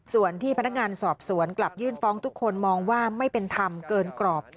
ส่วนที่พนักงานสอบสวนกลับยื่นฟ้องทุกคนมองว่าไม่เป็นธรรมเกินกรอบ